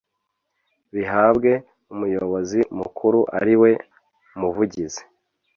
bihabwe umuyobozi mukuru ariwe muvugizi